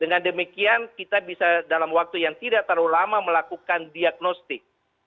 dengan demikian kita bisa dalam waktu yang tidak terlalu lama melakukan diagnostik